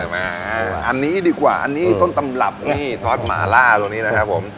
อันนี้ดีกว่าอันนี้ต้นตำรับนี่ทอดหมาล่าตัวนี้นะครับผม